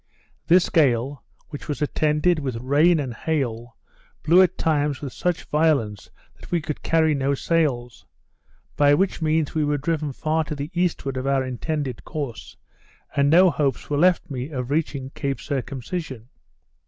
This gale, which was attended with rain and hail, blew at times with such violence that we could carry no sails; by which means we were driven far to the eastward of our intended course, and no hopes were left me of reaching Cape Circumcision.